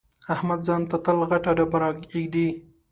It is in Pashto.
احمد ځان ته تل غټه ډبره اېږدي.